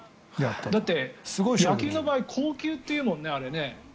だって、野球の場合硬球っていうもんね。